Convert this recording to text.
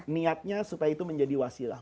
niatnya supaya itu menjadi wasilah